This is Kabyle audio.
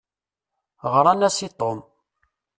Ɣṛan-as i Tom.